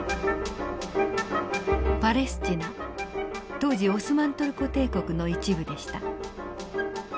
当時オスマン・トルコ帝国の一部でした。